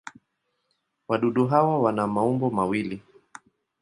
Wadudu hawa wana maumbo mawili.